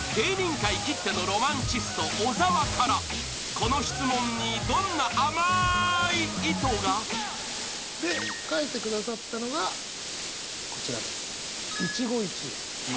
［この質問にどんな甘い意図が？］で書いてくださったのがこちらです。